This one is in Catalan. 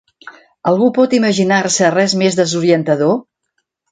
Algú pot imaginar-se res més desorientador?